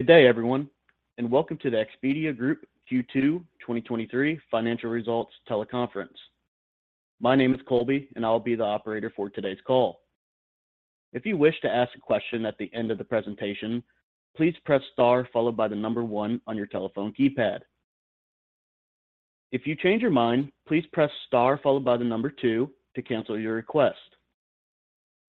Good day, everyone, and welcome to the Expedia Group Q2 2023 Financial Results Teleconference. My name is Colby, and I will be the operator for today's call. If you wish to ask a question at the end of the presentation, please press star followed by the number one on your telephone keypad. If you change your mind, please press star followed by the number two to cancel your request.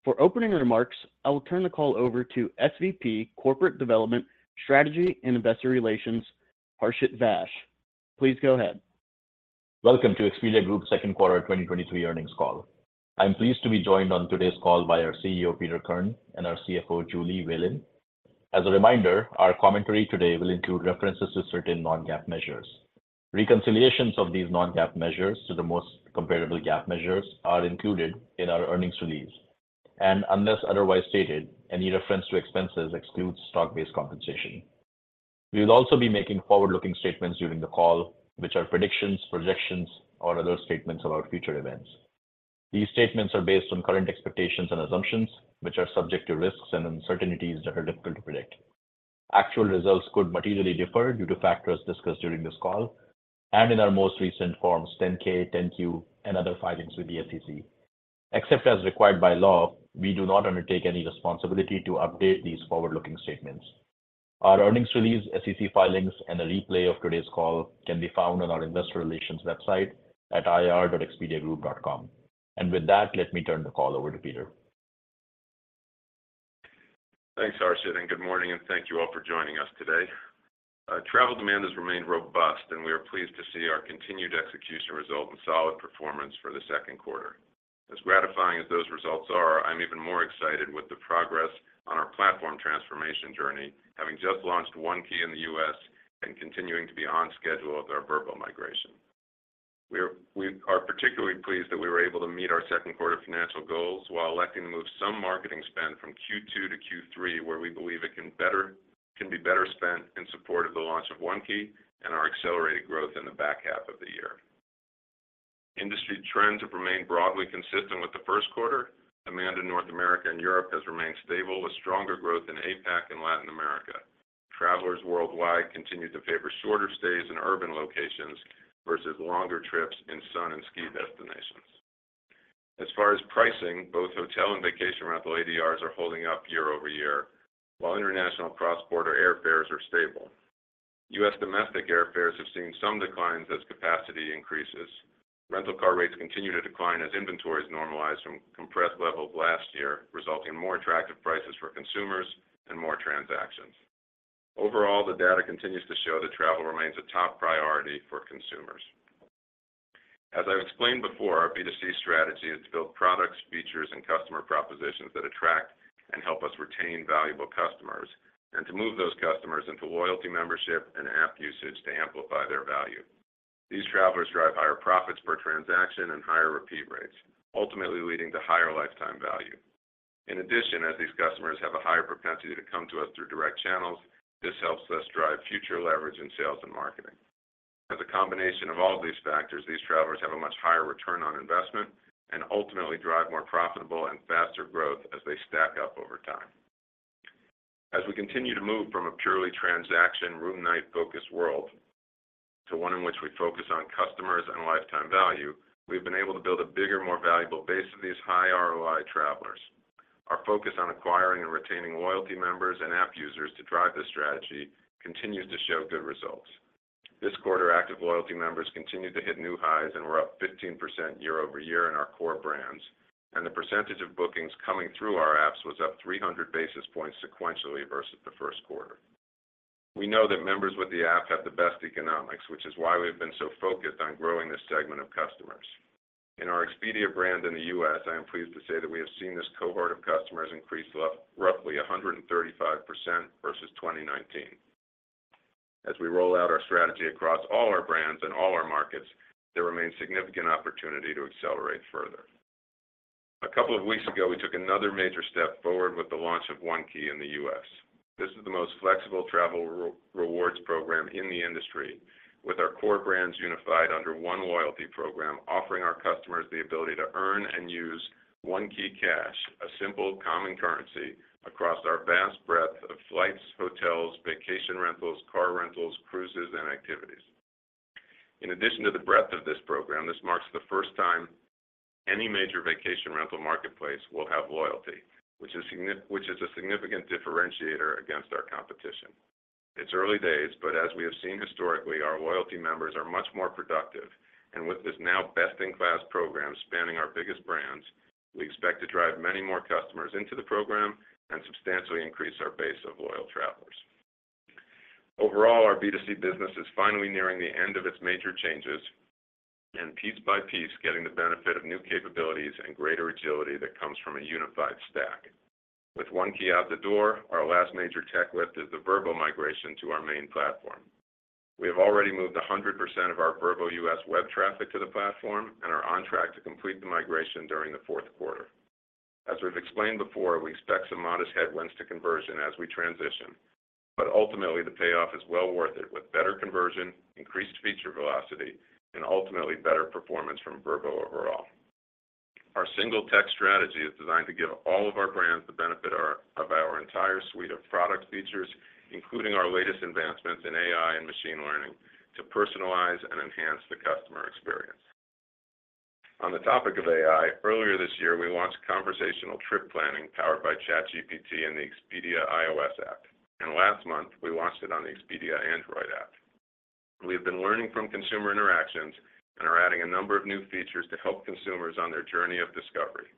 For opening remarks, I will turn the call over to SVP, Corporate Development, Strategy, and Investor Relations, Harshit Vaish. Please go ahead. Welcome to Expedia Group's Second Quarter 2023 Earnings Call. I'm pleased to be joined on today's call by our CEO, Peter Kern, and our CFO, Julie Whalen. As a reminder, our commentary today will include references to certain non-GAAP measures. Reconciliations of these non-GAAP measures to the most comparable GAAP measures are included in our earnings release, and unless otherwise stated, any reference to expenses excludes stock-based compensation. We will also be making forward-looking statements during the call, which are predictions, projections, or other statements about future events. These statements are based on current expectations and assumptions, which are subject to risks and uncertainties that are difficult to predict. Actual results could materially differ due to factors discussed during this call and in our most recent forms, 10-K, 10-Q, and other filings with the SEC. Except as required by law, we do not undertake any responsibility to update these forward-looking statements. Our earnings release, SEC filings, and a replay of today's call can be found on our investor relations website at ir.expediagroup.com. With that, let me turn the call over to Peter. Thanks, Harshit, and good morning, and thank you all for joining us today. Travel demand has remained robust, and we are pleased to see our continued execution result in solid performance for the second quarter. As gratifying as those results are, I'm even more excited with the progress on our platform transformation journey, having just launched One Key in the U.S. and continuing to be on schedule with our Vrbo migration. We are particularly pleased that we were able to meet our second quarter financial goals while electing to move some marketing spend from Q2 to Q3, where we believe it can be better spent in support of the launch of One Key and our accelerated growth in the back half of the year. Industry trends have remained broadly consistent with the first quarter. Demand in North America and Europe has remained stable, with stronger growth in APAC and Latin America. Travelers worldwide continued to favor shorter stays in urban locations versus longer trips in sun and ski destinations. As far as pricing, both hotel and vacation rental ADRs are holding up year-over-year, while international cross-border airfares are stable. U.S. domestic airfares have seen some declines as capacity increases. Rental car rates continue to decline as inventories normalize from compressed levels last year, resulting in more attractive prices for consumers and more transactions. Overall, the data continues to show that travel remains a top priority for consumers. As I've explained before, our B2C strategy is to build products, features, and customer propositions that attract and help us retain valuable customers, and to move those customers into loyalty membership and app usage to amplify their value. These travelers drive higher profits per transaction and higher repeat rates, ultimately leading to higher lifetime value. In addition, as these customers have a higher propensity to come to us through direct channels, this helps us drive future leverage in sales and marketing. As a combination of all these factors, these travelers have a much higher return on investment and ultimately drive more profitable and faster growth as they stack up over time. As we continue to move from a purely transaction, room night-focused world to one in which we focus on customers and lifetime value, we've been able to build a bigger, more valuable base of these high ROI travelers. Our focus on acquiring and retaining loyalty members and app users to drive this strategy continues to show good results. This quarter, active loyalty members continued to hit new highs and were up 15% year-over-year in our core brands, and the percentage of bookings coming through our apps was up 300 basis points sequentially versus the first quarter. We know that members with the app have the best economics, which is why we've been so focused on growing this segment of customers. In our Expedia brand in the U.S., I am pleased to say that we have seen this cohort of customers increase roughly 135% versus 2019. As we roll out our strategy across all our brands and all our markets, there remains significant opportunity to accelerate further. A couple of weeks ago, we took another major step forward with the launch of One Key in the U.S. This is the most flexible travel rewards program in the industry, with our core brands unified under one loyalty program, offering our customers the ability to earn and use OneKeyCash, a simple common currency, across our vast breadth of flights, hotels, vacation rentals, car rentals, cruises, and activities. In addition to the breadth of this program, this marks the first time any major vacation rental marketplace will have loyalty, which is a significant differentiator against our competition. It's early days, but as we have seen historically, our loyalty members are much more productive, and with this now best-in-class program spanning our biggest brands, we expect to drive many more customers into the program and substantially increase our base of loyal travelers. Overall, our B2C business is finally nearing the end of its major changes and piece by piece, getting the benefit of new capabilities and greater agility that comes from a unified stack. With One Key out the door, our last major tech lift is the Vrbo migration to our main platform. We have already moved 100% of our Vrbo US web traffic to the platform and are on track to complete the migration during the fourth quarter. As we've explained before, we expect some modest headwinds to conversion as we transition, but ultimately, the payoff is well worth it, with better conversion, increased feature velocity, and ultimately better performance from Vrbo overall. Our single tech strategy is designed to give all of our brands the benefit of our entire suite of product features, including our latest advancements in AI and machine learning, to personalize and enhance the customer experience. On the topic of AI, earlier this year, we launched conversational trip planning powered by ChatGPT in the Expedia iOS app, and last month, we launched it on the Expedia Android app. We have been learning from consumer interactions and are adding a number of new features to help consumers on their journey of discovery.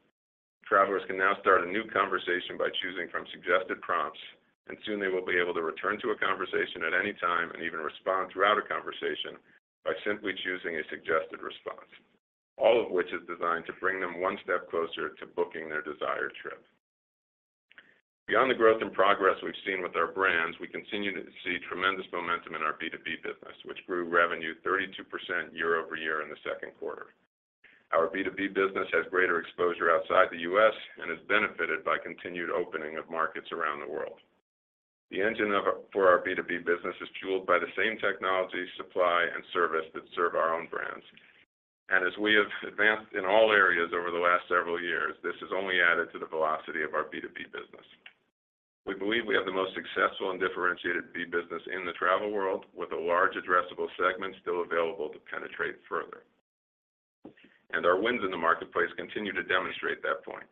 Travelers can now start a new conversation by choosing from suggested prompts, and soon they will be able to return to a conversation at any time and even respond throughout a conversation by simply choosing a suggested response. All of which is designed to bring them one step closer to booking their desired trip. Beyond the growth and progress we've seen with our brands, we continue to see tremendous momentum in our B2B business, which grew revenue 32% year-over-year in the second quarter. Our B2B business has greater exposure outside the U.S. and has benefited by continued opening of markets around the world. The engine for our B2B business is fueled by the same technology, supply, and service that serve our own brands. As we have advanced in all areas over the last several years, this has only added to the velocity of our B2B business. We believe we have the most successful and differentiated B business in the travel world, with a large addressable segment still available to penetrate further. Our wins in the marketplace continue to demonstrate that point.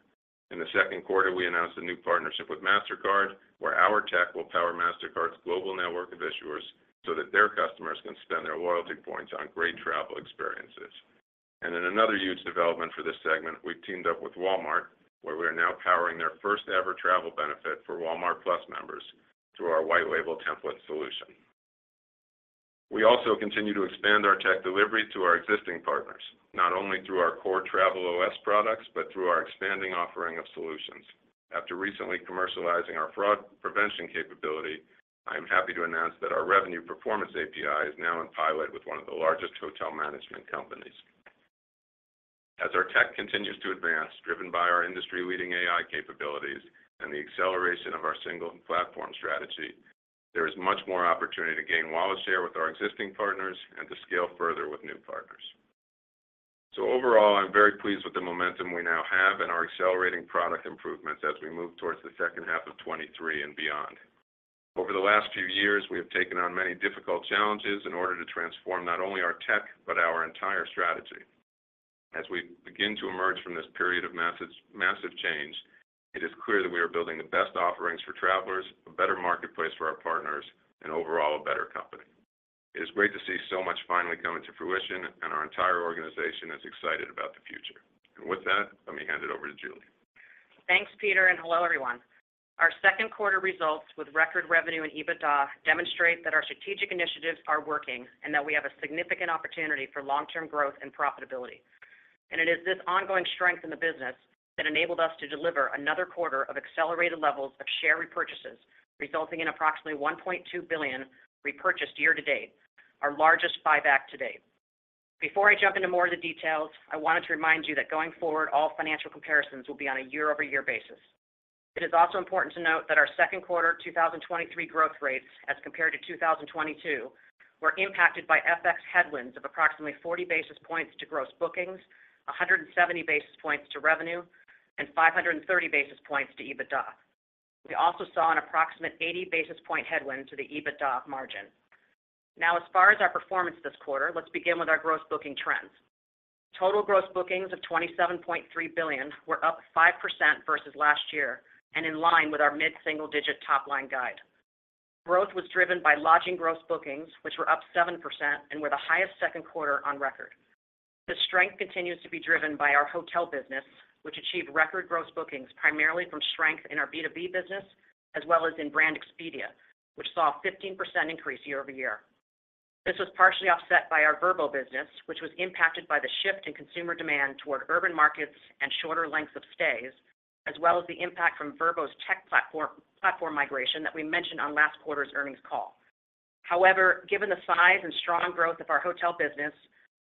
In the second quarter, we announced a new partnership with Mastercard, where our tech will power Mastercard's global network of issuers so that their customers can spend their loyalty points on great travel experiences. In another huge development for this segment, we've teamed up with Walmart, where we are now powering their first-ever travel benefit for Walmart+ members through our white label template solution. We also continue to expand our tech delivery to our existing partners, not only through our core TravelOS products, but through our expanding offering of solutions. After recently commercializing our fraud prevention capability, I am happy to announce that our revenue performance API is now in pilot with one of the largest hotel management companies. As our tech continues to advance, driven by our industry-leading AI capabilities and the acceleration of our single platform strategy, there is much more opportunity to gain wallet share with our existing partners and to scale further with new partners. Overall, I'm very pleased with the momentum we now have and our accelerating product improvements as we move towards the second half of 2023 and beyond. Over the last few years, we have taken on many difficult challenges in order to transform not only our tech, but our entire strategy. As we begin to emerge from this period of massive, massive change, it is clear that we are building the best offerings for travelers, a better marketplace for our partners, and overall, a better company. It is great to see so much finally coming to fruition, and our entire organization is excited about the future. With that, let me hand it over to Julie. Thanks, Peter, and hello, everyone. Our second quarter results with record revenue and EBITDA demonstrate that our strategic initiatives are working and that we have a significant opportunity for long-term growth and profitability. It is this ongoing strength in the business that enabled us to deliver another quarter of accelerated levels of share repurchases, resulting in approximately $1.2 billion repurchased year to date, our largest buyback to date. Before I jump into more of the details, I wanted to remind you that going forward, all financial comparisons will be on a year-over-year basis. It is also important to note that our second quarter 2023 growth rates as compared to 2022, were impacted by FX headwinds of approximately 40 basis points to gross bookings, 170 basis points to revenue, and 530 basis points to EBITDA. We also saw an approximate 80 basis point headwind to the EBITDA margin. As far as our performance this quarter, let's begin with our gross booking trends. Total gross bookings of $27.3 billion were up 5% versus last year and in line with our mid-single-digit top-line guide. Growth was driven by lodging gross bookings, which were up 7% and were the highest second quarter on record. This strength continues to be driven by our hotel business, which achieved record gross bookings primarily from strength in our B2B business, as well as in brand Expedia, which saw a 15% increase year-over-year. This was partially offset by our Vrbo business, which was impacted by the shift in consumer demand toward urban markets and shorter lengths of stays, as well as the impact from Vrbo's tech platform migration that we mentioned on last quarter's earnings call. Given the size and strong growth of our hotel business,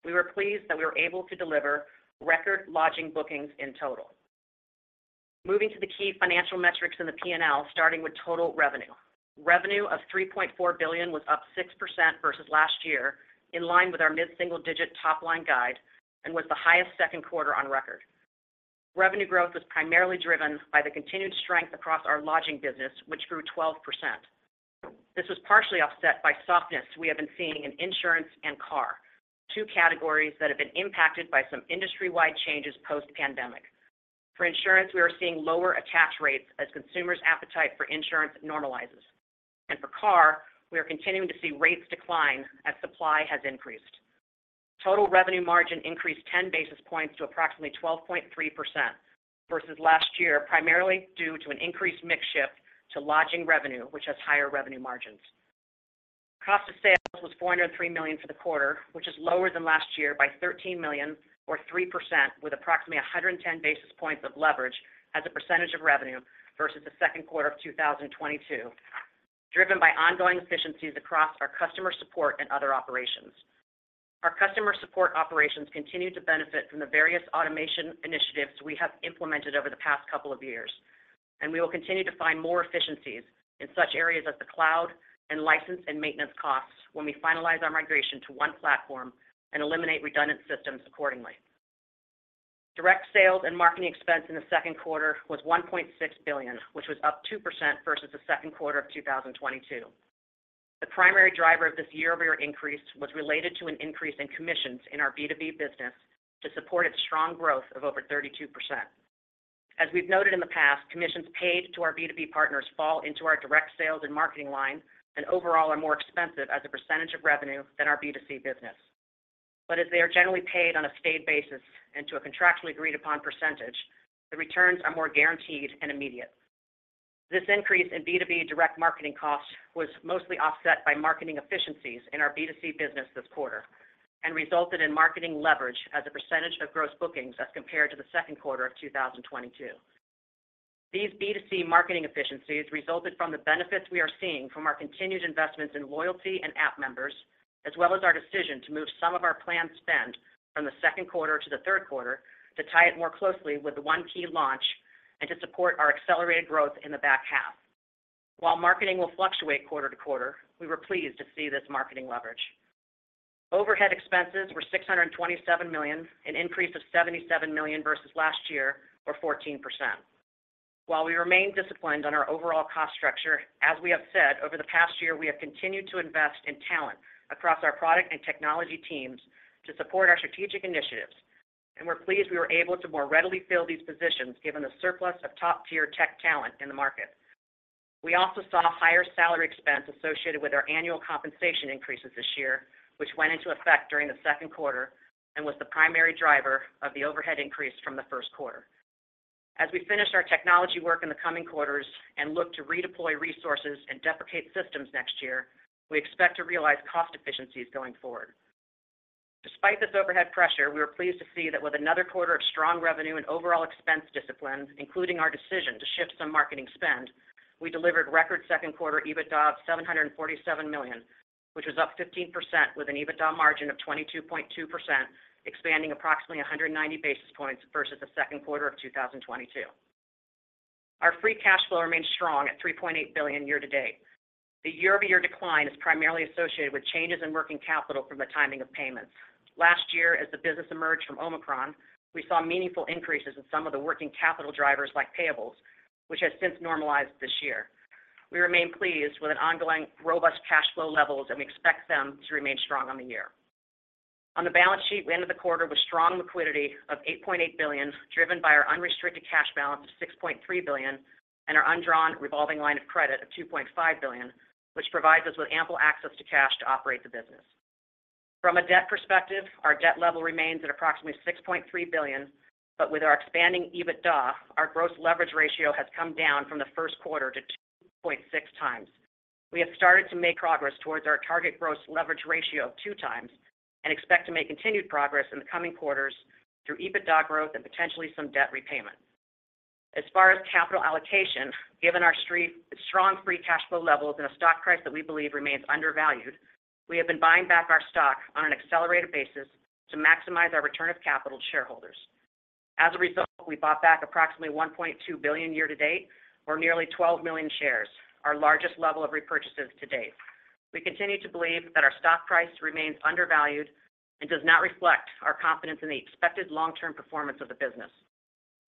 we were pleased that we were able to deliver record lodging bookings in total. Moving to the key financial metrics in the P&L, starting with total revenue. Revenue of $3.4 billion was up 6% versus last year, in line with our mid-single-digit top-line guide, and was the highest second quarter on record. Revenue growth was primarily driven by the continued strength across our lodging business, which grew 12%. This was partially offset by softness we have been seeing in insurance and car, two categories that have been impacted by some industry-wide changes post-pandemic. For insurance, we are seeing lower attach rates as consumers' appetite for insurance normalizes. For car, we are continuing to see rates decline as supply has increased. Total revenue margin increased 10 basis points to approximately 12.3% versus last year, primarily due to an increased mix shift to lodging revenue, which has higher revenue margins. Cost of sales was $403 million for the quarter, which is lower than last year by $13 million or 3%, with approximately 110 basis points of leverage as a percentage of revenue versus the second quarter of 2022, driven by ongoing efficiencies across our customer support and other operations. Our customer support operations continue to benefit from the various automation initiatives we have implemented over the past couple of years. We will continue to find more efficiencies in such areas as the cloud, and license and maintenance costs when we finalize our migration to one platform and eliminate redundant systems accordingly. Direct sales and marketing expense in the second quarter was $1.6 billion, which was up 2% versus the second quarter of 2022. The primary driver of this year-over-year increase was related to an increase in commissions in our B2B business to support its strong growth of over 32%. As we've noted in the past, commissions paid to our B2B partners fall into our direct sales and marketing line, and overall are more expensive as a percentage of revenue than our B2C business. As they are generally paid on a stayed basis and to a contractually agreed upon percentage, the returns are more guaranteed and immediate. This increase in B2B direct marketing costs was mostly offset by marketing efficiencies in our B2C business this quarter, and resulted in marketing leverage as a percentage of gross bookings as compared to the second quarter of 2022. These B2C marketing efficiencies resulted from the benefits we are seeing from our continued investments in loyalty and app members, as well as our decision to move some of our planned spend from the second quarter to the third quarter to tie it more closely with the One Key launch and to support our accelerated growth in the back half. Marketing will fluctuate quarter to quarter, we were pleased to see this marketing leverage. Overhead expenses were $627 million, an increase of $77 million versus last year, or 14%. While we remain disciplined on our overall cost structure, as we have said, over the past year, we have continued to invest in talent across our product and technology teams to support our strategic initiatives, and we're pleased we were able to more readily fill these positions, given the surplus of top-tier tech talent in the market. We also saw higher salary expense associated with our annual compensation increases this year, which went into effect during the second quarter and was the primary driver of the overhead increase from the first quarter. As we finish our technology work in the coming quarters and look to redeploy resources and deprecate systems next year, we expect to realize cost efficiencies going forward. Despite this overhead pressure, we were pleased to see that with another quarter of strong revenue and overall expense discipline, including our decision to shift some marketing spend, we delivered record second quarter EBITDA of $747 million, which was up 15% with an EBITDA margin of 22.2%, expanding approximately 190 basis points versus the second quarter of 2022. Our free cash flow remains strong at $3.8 billion year-to-date. The year-over-year decline is primarily associated with changes in working capital from the timing of payments. Last year, as the business emerged from Omicron, we saw meaningful increases in some of the working capital drivers like payables, which has since normalized this year. We remain pleased with an ongoing robust cash flow levels, and we expect them to remain strong on the year. On the balance sheet, we ended the quarter with strong liquidity of $8.8 billion, driven by our unrestricted cash balance of $6.3 billion and our undrawn revolving line of credit of $2.5 billion, which provides us with ample access to cash to operate the business. From a debt perspective, our debt level remains at approximately $6.3 billion, with our expanding EBITDA, our gross leverage ratio has come down from the first quarter to 2.6x. We have started to make progress towards our target gross leverage ratio of 2x and expect to make continued progress in the coming quarters through EBITDA growth and potentially some debt repayment. As far as capital allocation, given our strong free cash flow levels and a stock price that we believe remains undervalued, we have been buying back our stock on an accelerated basis to maximize our return of capital to shareholders. As a result, we bought back approximately $1.2 billion year-to-date, or nearly 12 million shares, our largest level of repurchases to date. We continue to believe that our stock price remains undervalued and does not reflect our confidence in the expected long-term performance of the business.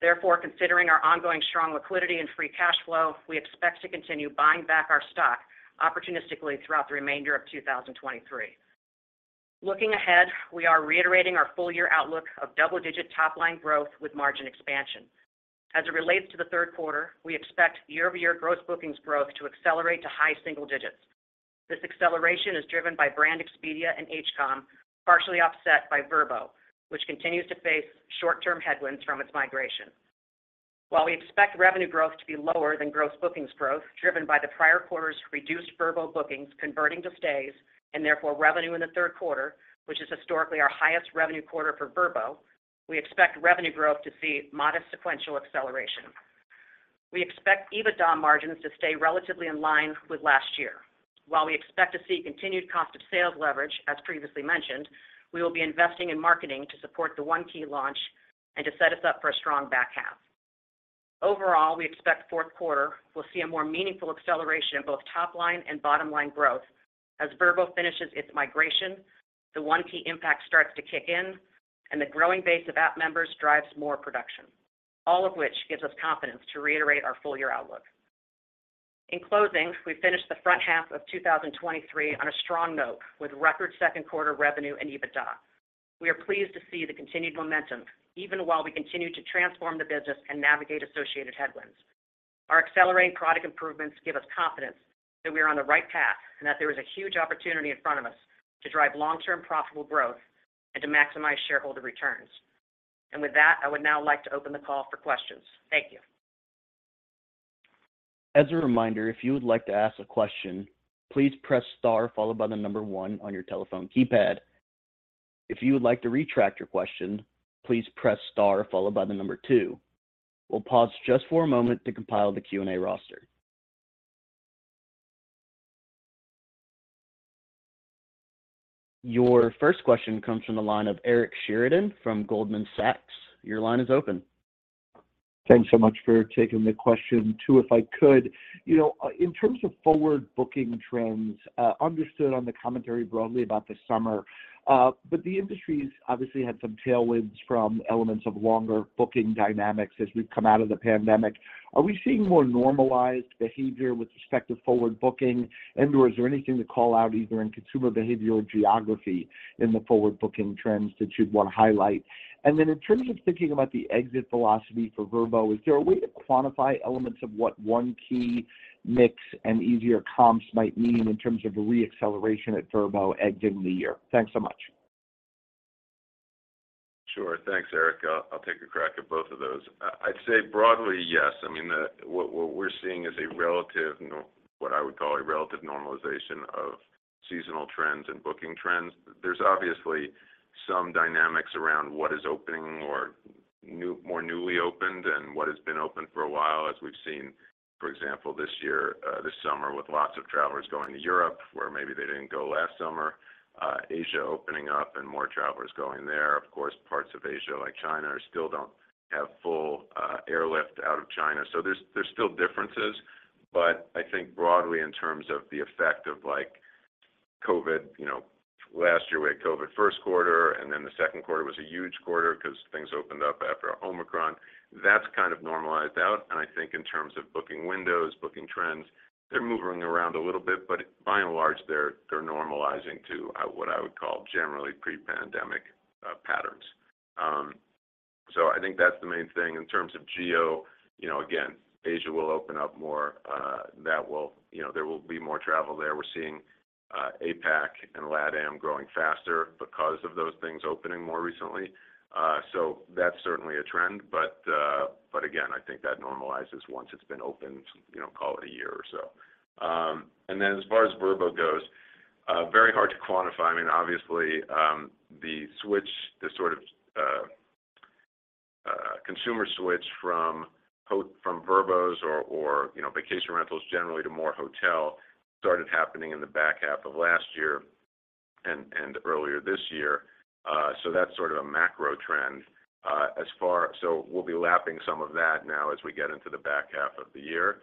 Therefore, considering our ongoing strong liquidity and free cash flow, we expect to continue buying back our stock opportunistically throughout the remainder of 2023. Looking ahead, we are reiterating our full-year outlook of double-digit top-line growth with margin expansion. As it relates to the third quarter, we expect year-over-year gross bookings growth to accelerate to high single digits. This acceleration is driven by Brand Expedia and HCOM, partially offset by Vrbo, which continues to face short-term headwinds from its migration. While we expect revenue growth to be lower than gross bookings growth, driven by the prior quarter's reduced Vrbo bookings converting to stays, and therefore revenue in the third quarter, which is historically our highest revenue quarter for Vrbo, we expect revenue growth to see modest sequential acceleration. We expect EBITDA margins to stay relatively in line with last year. While we expect to see continued cost of sales leverage, as previously mentioned, we will be investing in marketing to support the One Key launch and to set us up for a strong back half. Overall, we expect fourth quarter will see a more meaningful acceleration in both top line and bottom line growth as Vrbo finishes its migration, the One Key impact starts to kick in, and the growing base of app members drives more production, all of which gives us confidence to reiterate our full-year outlook. In closing, we finished the front half of 2023 on a strong note, with record second quarter revenue and EBITDA. We are pleased to see the continued momentum, even while we continue to transform the business and navigate associated headwinds. Our accelerating product improvements give us confidence that we are on the right path and that there is a huge opportunity in front of us to drive long-term profitable growth and to maximize shareholder returns. With that, I would now like to open the call for questions. Thank you. As a reminder, if you would like to ask a question, please press star followed by one on your telephone keypad. If you would like to retract your question, please press star followed by two. We'll pause just for a moment to compile the Q&A roster. Your first question comes from the line of Eric Sheridan from Goldman Sachs. Your line is open. Thanks so much for taking the question. Two, if I could. You know, in terms of forward booking trends, understood on the commentary broadly about the summer, but the industry's obviously had some tailwinds from elements of longer booking dynamics as we've come out of the pandemic. Are we seeing more normalized behavior with respect to forward booking? And/or is there anything to call out, either in consumer behavior or geography in the forward booking trends that you'd want to highlight? Then in terms of thinking about the exit philosophy for Vrbo, is there a way to quantify elements of what One Key mix and easier comps might mean in terms of the re-acceleration at Vrbo exiting the year? Thanks so much. Sure. Thanks, Eric. I'll, I'll take a crack at both of those. I, I'd say broadly, yes. I mean, what we're seeing is a relative what I would call a relative normalization of seasonal trends and booking trends. There's obviously some dynamics around what is opening or new, more newly opened and what has been open for a while, as we've seen, for example, this year, this summer, with lots of travelers going to Europe, where maybe they didn't go last summer. Asia opening up and more travelers going there. Of course, parts of Asia, like China, still don't have full airlift out of China. There's, there's still differences, but I think broadly in terms of the effect of, like, COVID, you know, last year, we had COVID first quarter, and then the second quarter was a huge quarter 'cause things opened up after Omicron. That's kind of normalized out, and I think in terms of booking windows, booking trends, they're moving around a little bit, but by and large, they're, they're normalizing to what I would call generally pre-pandemic patterns. I think that's the main thing. In terms of geo, you know, again, Asia will open up more, that will, you know, there will be more travel there. We're seeing APAC and LATAM growing faster because of those things opening more recently. So that's certainly a trend, but again, I think that normalizes once it's been opened, you know, call it a year or so. Then as far as Vrbo goes, very hard to quantify. I mean, obviously, the switch, the sort of, consumer switch from ho- from Vrbo or, or, you know, vacation rentals generally to more hotel, started happening in the back half of last year and, and earlier this year. That's sort of a macro trend. As far-- we'll be lapping some of that now as we get into the back half of the year.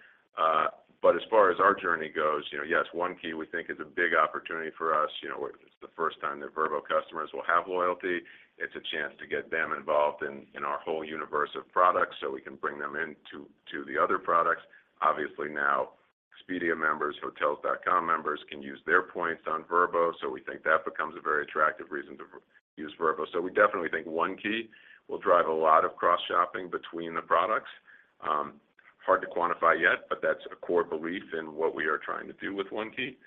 As far as our journey goes, you know, yes, One Key we think is a big opportunity for us. You know, it's the first time that Vrbo customers will have loyalty. It's a chance to get them involved in, in our whole universe of products, so we can bring them in to, to the other products. Obviously, now Expedia members, Hotels.com members can use their points on Vrbo, so we think that becomes a very attractive reason to use Vrbo. We definitely think One Key will drive a lot of cross-shopping between the products. Hard to quantify yet, but that's a core belief in what we are trying to do with One Key.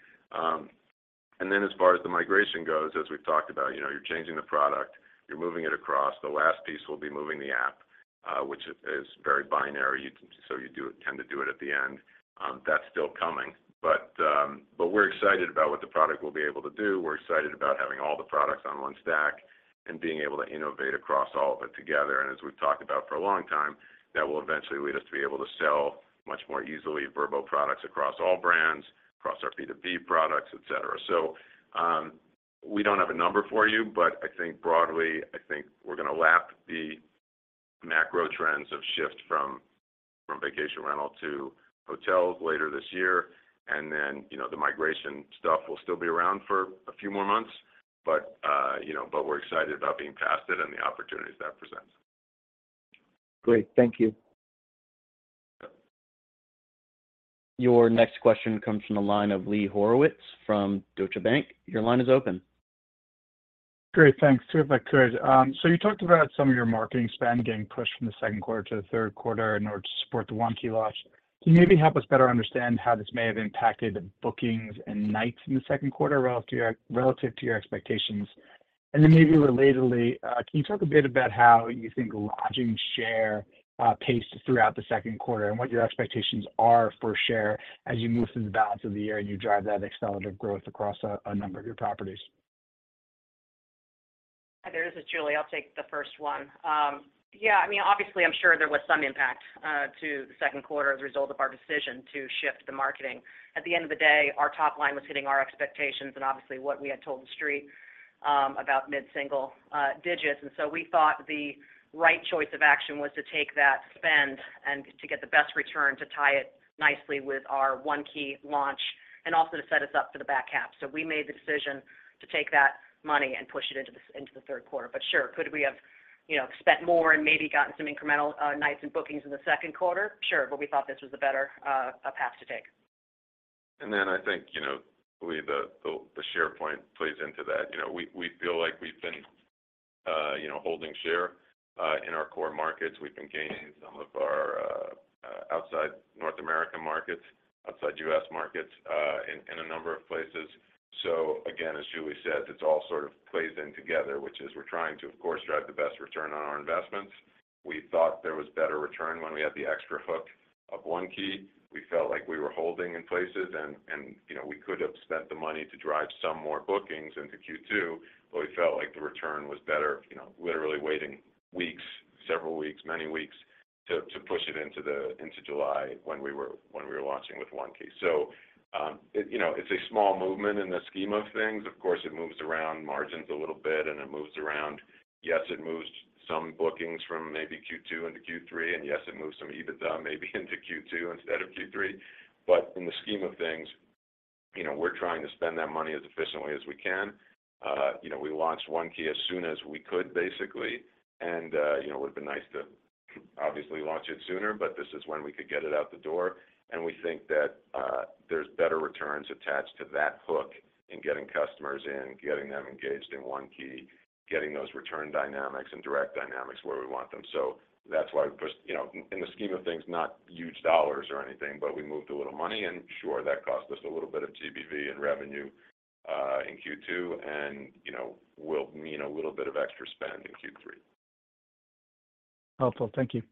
As far as the migration goes, as we've talked about, you know, you're changing the product, you're moving it across. The last piece will be moving the app, which is very binary, so you do tend to do it at the end. That's still coming, but we're excited about what the product will be able to do. We're excited about having all the products on one stack and being able to innovate across all of it together. As we've talked about for a long time, that will eventually lead us to be able to sell much more easily, Vrbo products across all brands, across our B2B products, et cetera. We don't have a number for you, but I think broadly, I think we're going to lap the macro trends of shift from vacation rental to hotels later this year. Then, you know, the migration stuff will still be around for a few more months, but, you know, but we're excited about being past it and the opportunities that presents. Great. Thank you. Your next question comes from the line of Lee Horowitz from Deutsche Bank. Your line is open. Great. Thanks. Two, if I could. You talked about some of your marketing spend getting pushed from the second quarter to the third quarter in order to support the One Key launch. Can you maybe help us better understand how this may have impacted bookings and nights in the second quarter relative to your, relative to your expectations? Maybe relatedly, can you talk a bit about how you think lodging share paced throughout the second quarter and what your expectations are for share as you move through the balance of the year and you drive that accelerative growth across a number of your properties? Hi, there. This is Julie. I'll take the first one. Yeah, I mean, obviously, I'm sure there was some impact to the second quarter as a result of our decision to shift the marketing. At the end of the day, our top line was hitting our expectations and obviously what we had told the street, about mid-single digits. We thought the right choice of action was to take that spend and to get the best return, to tie it nicely with our One Key launch, and also to set us up for the back half. We made the decision to take that money and push it into the, into the third quarter. Sure, could we have, you know, spent more and maybe gotten some incremental nights and bookings in the second quarter? Sure, but we thought this was a better path to take. Then I think, you know, Lee, the, the, the share point plays into that. You know, we, we feel like we've been, you know, holding share in our core markets. We've been gaining some of our outside North American markets, outside U.S. markets, in, in a number of places. Again, as Julie said, it's all sort of plays in together, which is we're trying to, of course, drive the best return on our investments. We thought there was better return when we had the extra hook of One Key. We felt like we were holding in places and, and, you know, we could have spent the money to drive some more bookings into Q2. We felt like the return was better, you know, literally waiting weeks, several weeks, many weeks, to, to push it into July when we were, when we were launching with One Key. It, you know, it's a small movement in the scheme of things. Of course, it moves around margins a little bit, and it moves around. Yes, it moves some bookings from maybe Q2 into Q3, and yes, it moves some EBITDA maybe into Q2 instead of Q3. In the scheme of things, you know, we're trying to spend that money as efficiently as we can. You know, we launched One Key as soon as we could, basically, and, you know, it would have been nice to obviously launch it sooner, but this is when we could get it out the door. We think that there's better returns attached to that hook in getting customers in, getting them engaged in One Key, getting those return dynamics and direct dynamics where we want them. That's why we pushed. You know, in the scheme of things, not huge dollars or anything, but we moved a little money, and sure, that cost us a little bit of GBV and revenue in Q2, and, you know, will mean a little bit of extra spend in Q3. Helpful. Thank you.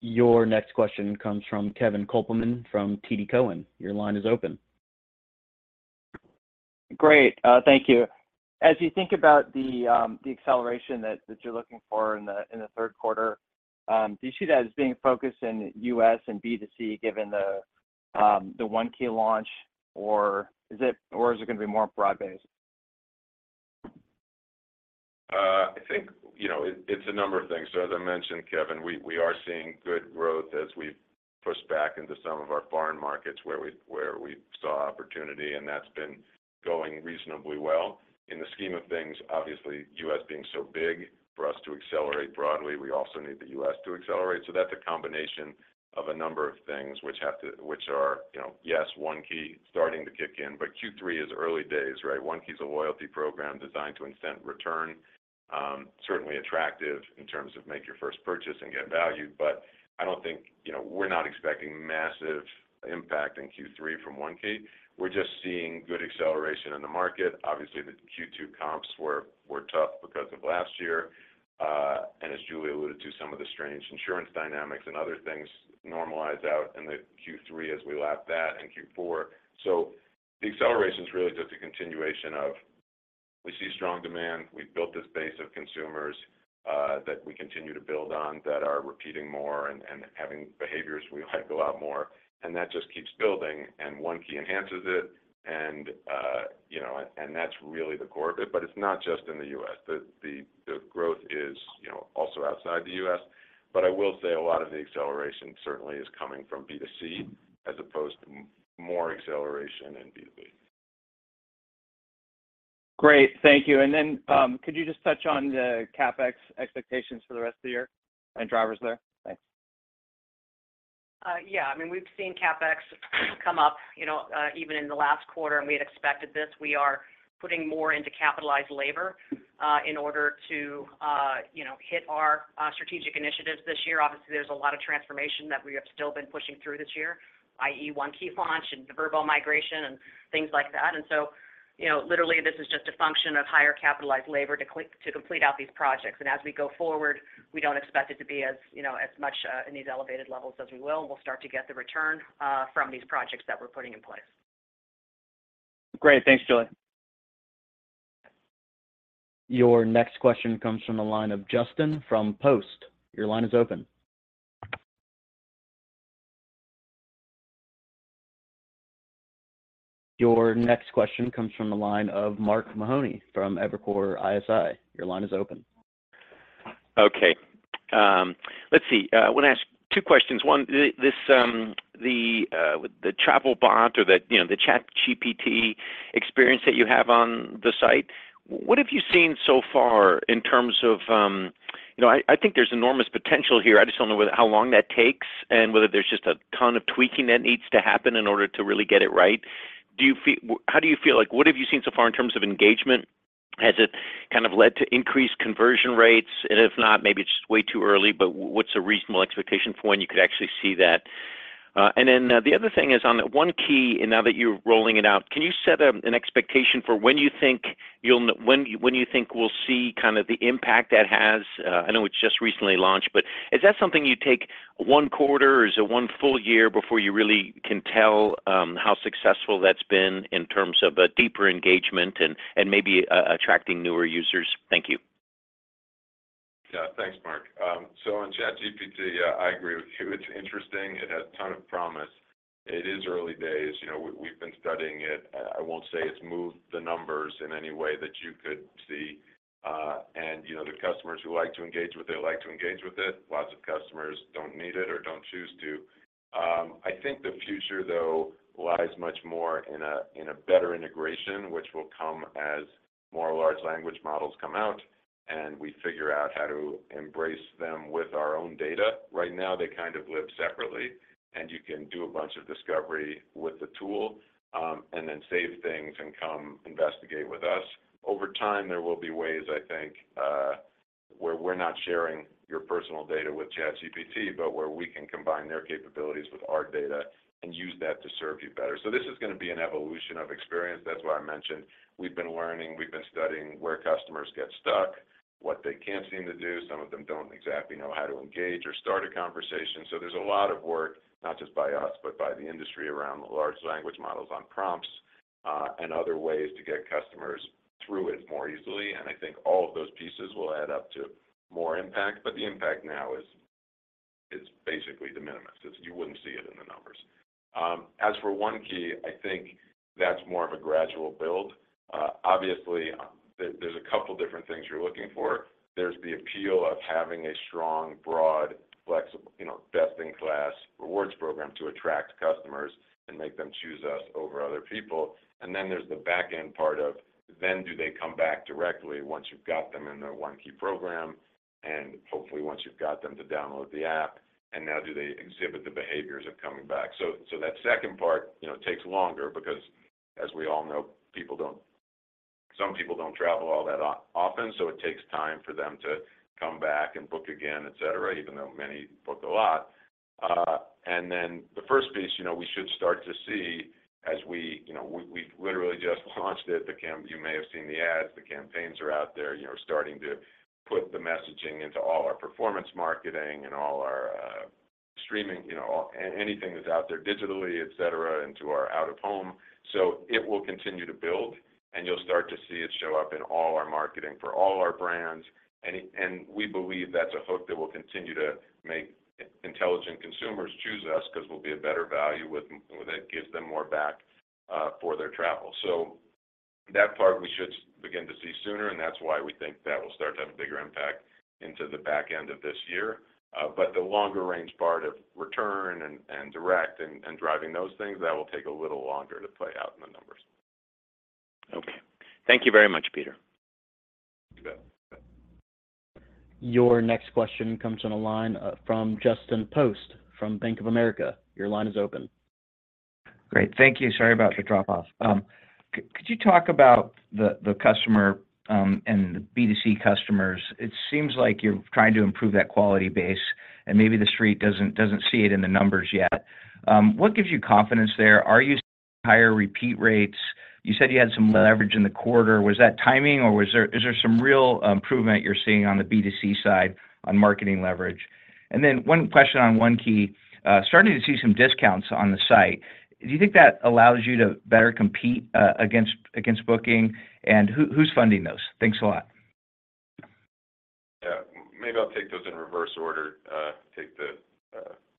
Your next question comes from Kevin Kopelman from TD Cowen. Your line is open. Great. Thank you. As you think about the acceleration that, that you're looking for in the third quarter, do you see that as being focused in U.S. and B2C, given the One Key launch, or is it gonna be more broad-based? I think, you know, it, it's a number of things. As I mentioned, Kevin, we, we are seeing good growth as we've pushed back into some of our foreign markets where we, where we saw opportunity, and that's been going reasonably well. In the scheme of things, obviously, U.S. being so big, for us to accelerate broadly, we also need the U.S. to accelerate. That's a combination of a number of things which have to- which are, you know, yes, One Key starting to kick in, but Q3 is early days, right? One Key is a loyalty program designed to incent return. Certainly attractive in terms of make your first purchase and get value, but I don't think, you know, we're not expecting massive impact in Q3 from One Key. We're just seeing good acceleration in the market. Obviously, the Q2 comps were, were tough because of last year. As Julie alluded to, some of the strange insurance dynamics and other things normalize out in the Q3 as we lap that in Q4. The acceleration is really just a continuation of, we see strong demand. We've built this base of consumers that we continue to build on, that are repeating more and, and having behaviors we like a lot more, and that just keeps building, and One Key enhances it, and, you know, and, and that's really the core of it. It's not just in the U.S. The growth is, you know, also outside the U.S. I will say a lot of the acceleration certainly is coming from B2C as opposed to more acceleration in B2B. Great. Thank you. Then, could you just touch on the CapEx expectations for the rest of the year and drivers there? Thanks. Yeah. I mean, we've seen CapEx come up, you know, even in the last quarter, and we had expected this. We are putting more into capitalized labor in order to, you know, hit our strategic initiatives this year. Obviously, there's a lot of transformation that we have still been pushing through this year, i.e., One Key launch and the Vrbo migration and things like that. So, you know, literally, this is just a function of higher capitalized labor to complete out these projects. As we go forward, we don't expect it to be as, you know, as much in these elevated levels as we will. We'll start to get the return from these projects that we're putting in place. Great. Thanks, Julie. Your next question comes from the line of Justin Post. Your line is open. Your next question comes from the line of Mark Mahaney from Evercore ISI. Your line is open. Okay, let's see. I want to ask two questions. One, the travel bot or the, you know, the ChatGPT experience that you have on the site, what have you seen so far in terms of...? You know, I, I think there's enormous potential here. I just don't know how long that takes and whether there's just a ton of tweaking that needs to happen in order to really get it right. How do you feel? Like, what have you seen so far in terms of engagement? Has it kind of led to increased conversion rates? If not, maybe it's just way too early, but what's a reasonable expectation for when you could actually see that? Then the other thing is on the One Key, and now that you're rolling it out, can you set an expectation for when you think we'll see kind of the impact that has? I know it's just recently launched, but is that something you take one quarter, or is it one full year before you really can tell how successful that's been in terms of a deeper engagement and maybe attracting newer users? Thank you. Yeah. Thanks, Mark. On ChatGPT, I agree with you. It's interesting. It has a ton of promise. It is early days. You know, we've been studying it. I won't say it's moved the numbers in any way that you could see. You know, the customers who like to engage with it, like to engage with it. Lots of customers don't need it or don't choose to. I think the future, though, lies much more in a, in a better integration, which will come as more large language models come out, and we figure out how to embrace them with our own data. Right now, they kind of live separately, and you can do a bunch of discovery with the tool, and then save things and come investigate with us. Over time, there will be ways, I think, where we're not sharing your personal data with ChatGPT, but where we can combine their capabilities with our data and use that to serve you better. This is gonna be an evolution of experience. That's why I mentioned we've been learning, we've been studying where customers get stuck. What they can't seem to do. Some of them don't exactly know how to engage or start a conversation. There's a lot of work, not just by us, but by the industry around the large language models on prompts, and other ways to get customers through it more easily. I think all of those pieces will add up to more impact, but the impact now is, is basically de minimis. You wouldn't see it in the numbers. As for One Key, I think that's more of a gradual build. Obviously, there, there's a couple different things you're looking for. There's the appeal of having a strong, broad, flexible, you know, best-in-class rewards program to attract customers and make them choose us over other people. Then there's the back end part of, then, do they come back directly once you've got them in the One Key program, and hopefully once you've got them to download the app, and now do they exhibit the behaviors of coming back? So that second part, you know, takes longer because, as we all know, people don't travel all that often, so it takes time for them to come back and book again, et cetera, even though many book a lot. Then the first piece, you know, we should start to see as we, you know, we, we've literally just launched it. You may have seen the ads, the campaigns are out there, you know, starting to put the messaging into all our performance marketing and all our streaming, you know, anything that's out there digitally, et cetera, into our out-of-home. It will continue to build, and you'll start to see it show up in all our marketing for all our brands. And we believe that's a hook that will continue to make intelligent consumers choose us, 'cause we'll be a better value with, that gives them more back for their travel. That part, we should begin to see sooner, and that's why we think that will start to have a bigger impact into the back end of this year. The longer range part of return and, and direct and, and driving those things, that will take a little longer to play out in the numbers. Okay. Thank you very much, Peter. You bet. Your next question comes on the line, from Justin Post from Bank of America. Your line is open. Great. Thank you. Sorry about the drop off. Could you talk about the, the customer, and the B2C customers? It seems like you're trying to improve that quality base, and maybe The Street doesn't, doesn't see it in the numbers yet. What gives you confidence there? Are you seeing higher repeat rates? You said you had some leverage in the quarter. Was that timing, or was there is there some real improvement you're seeing on the B2C side on marketing leverage? Then one question on One Key. Starting to see some discounts on the site, do you think that allows you to better compete, against, against booking? Who, who's funding those? Thanks a lot. Yeah. Maybe I'll take those in reverse order, take the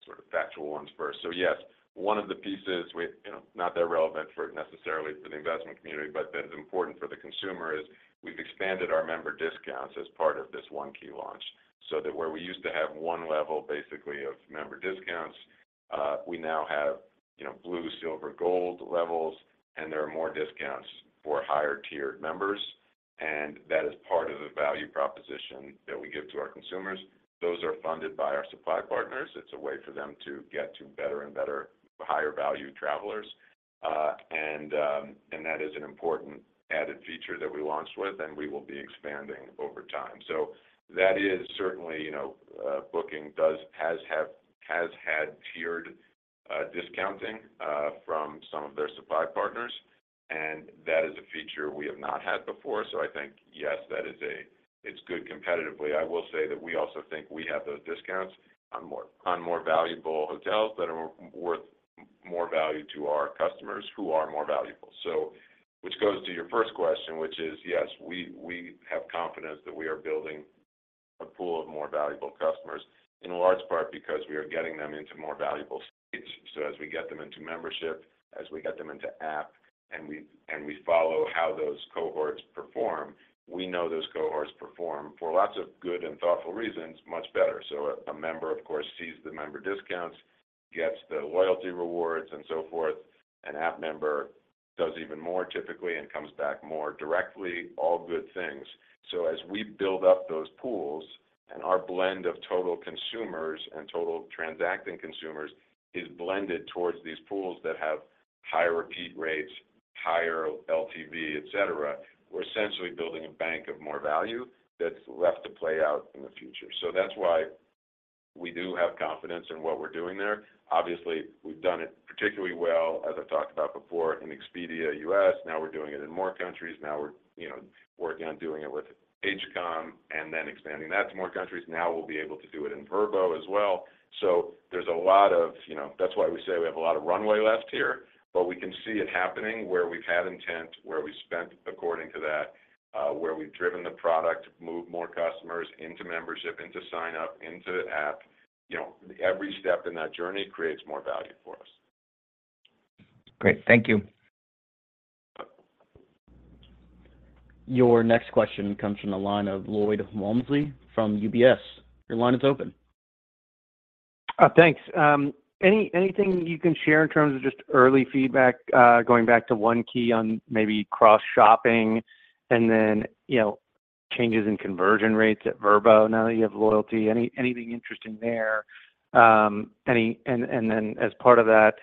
sort of factual ones first. Yes, one of the pieces you know, not that relevant for necessarily for the investment community, but that is important for the consumer, is we've expanded our member discounts as part of this One Key launch. That where we used to have one level, basically, of member discounts, we now have, you know, blue, silver, gold levels, and there are more discounts for higher-tiered members, and that is part of the value proposition that we give to our consumers. Those are funded by our supply partners. It's a way for them to get to better and better, higher-value travelers. And that is an important added feature that we launched with, and we will be expanding over time. That is certainly, you know, Booking has had tiered discounting from some of their supply partners, and that is a feature we have not had before. I think, yes, that is good competitively. I will say that we also think we have those discounts on more, on more valuable hotels that are worth more value to our customers, who are more valuable. Which goes to your first question, which is, yes, we, we have confidence that we are building a pool of more valuable customers, in large part because we are getting them into more valuable states. As we get them into membership, as we get them into app, and we, and we follow how those cohorts perform, we know those cohorts perform for lots of good and thoughtful reasons, much better. A member, of course, sees the member discounts, gets the loyalty rewards, and so forth. An app member does even more typically and comes back more directly, all good things. As we build up those pools and our blend of total consumers and total transacting consumers is blended towards these pools that have higher repeat rates, higher LTV, et cetera, we're essentially building a bank of more value that's left to play out in the future. That's why we do have confidence in what we're doing there. Obviously, we've done it particularly well, as I've talked about before, in Expedia U.S. Now we're doing it in more countries. Now we're, you know, working on doing it with Hcom and then expanding that to more countries. Now we'll be able to do it in Vrbo as well. There's a lot of, you know. That's why we say we have a lot of runway left here, but we can see it happening where we've had intent, where we've spent according to that, where we've driven the product, moved more customers into membership, into sign-up, into the app. You know, every step in that journey creates more value for us. Great. Thank you. Your next question comes from the line of Lloyd Walmsley from UBS. Your line is open. Thanks. Anything you can share in terms of just early feedback, going back to One Key on maybe cross shopping and then, you know, changes in conversion rates at Vrbo now that you have loyalty? Anything interesting there? Then as part of that,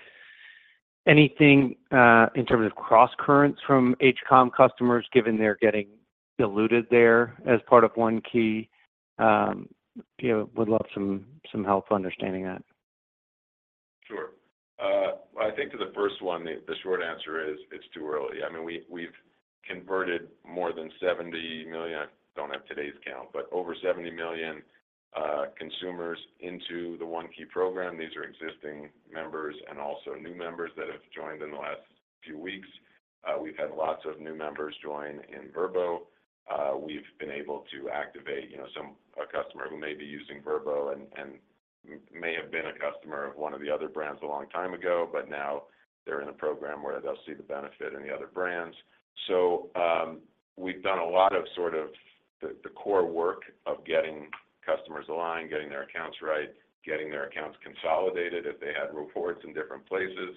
anything in terms of crosscurrents from Hcom customers, given they're getting diluted there as part of One Key? You know, would love some, some help understanding that. I think to the first one, the short answer is, it's too early. I mean, we, we've converted more than 70 million. I don't have today's count, but over 70 million consumers into the One Key program. These are existing members and also new members that have joined in the last few weeks. We've had lots of new members join in Vrbo. We've been able to activate, you know, a customer who may be using Vrbo and may have been a customer of one of the other brands a long time ago, but now they're in a program where they'll see the benefit in the other brands. We've done a lot of sort of the, the core work of getting customers aligned, getting their accounts right, getting their accounts consolidated if they had reports in different places,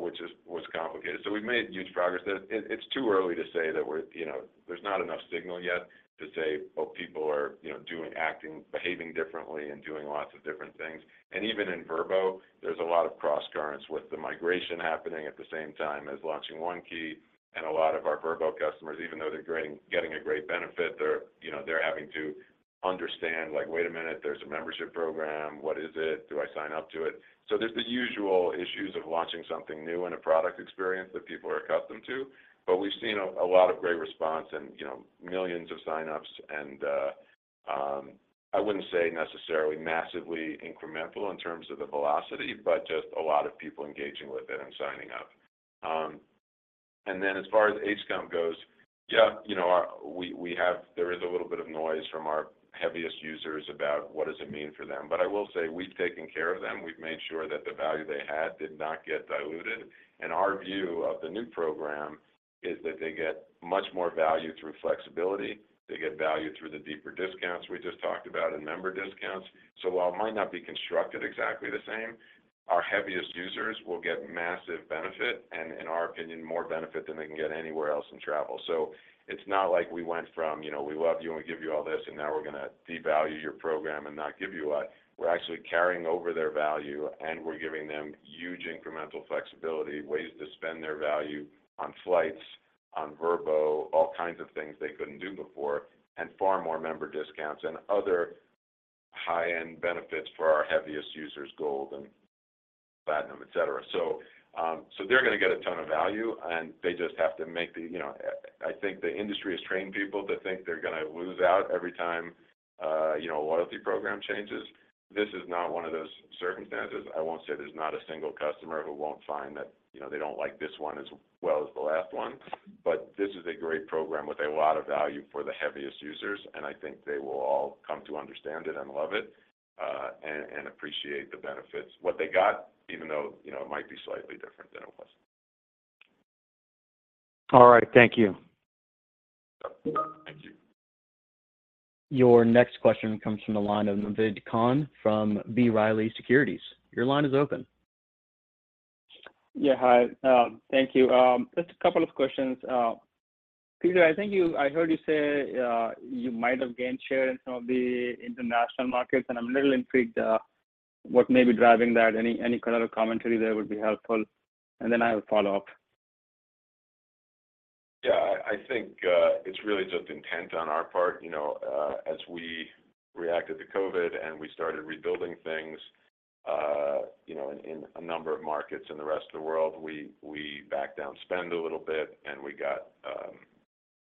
which is, was complicated. We've made huge progress there. It, it's too early to say that we're you know, there's not enough signal yet to say, "Oh, people are, you know, doing, acting, behaving differently and doing lots of different things." Even in Vrbo, there's a lot of cross currents with the migration happening at the same time as launching One Key. A lot of our Vrbo customers, even though they're getting, getting a great benefit, they're, you know, they're having to understand, like, "Wait a minute, there's a membership program. What is it? Do I sign up to it?" There's the usual issues of launching something new in a product experience that people are accustomed to, but we've seen a lot of great response and, you know, millions of signups. I wouldn't say necessarily massively incremental in terms of the velocity, but just a lot of people engaging with it and signing up. Then as far as HCOM goes, yeah, you know, our we have there is a little bit of noise from our heaviest users about what does it mean for them. I will say we've taken care of them. We've made sure that the value they had did not get diluted. Our view of the new program is that they get much more value through flexibility. They get value through the deeper discounts we just talked about in member discounts. While it might not be constructed exactly the same, our heaviest users will get massive benefit, and in our opinion, more benefit than they can get anywhere else in travel. It's not like we went from, you know, we love you, and we give you all this, and now we're gonna devalue your program and not give you a. We're actually carrying over their value, and we're giving them huge incremental flexibility, ways to spend their value on flights, on Vrbo, all kinds of things they couldn't do before, and far more member discounts and other high-end benefits for our heaviest users, Gold and Platinum, et cetera. They're gonna get a ton of value, and they just have to make the, you know. I, I think the industry has trained people to think they're gonna lose out every time, you know, a loyalty program changes. This is not one of those circumstances. I won't say there's not a single customer who won't find that, you know, they don't like this one as well as the last one, but this is a great program with a lot of value for the heaviest users, and I think they will all come to understand it and love it, and, and appreciate the benefits, what they got, even though, you know, it might be slightly different than it was. All right. Thank you. Thank you. Your next question comes from the line of Navid Khan from B. Riley Securities. Your line is open. Yeah, hi. Thank you. Just a couple of questions. Peter, I think I heard you say, you might have gained share in some of the international markets, and I'm a little intrigued, what may be driving that. Any, any color or commentary there would be helpful. Then I have a follow-up. Yeah, I, I think it's really just intent on our part. You know, as we reacted to COVID and we started rebuilding things, you know, in a number of markets in the rest of the world, we backed down spend a little bit. We got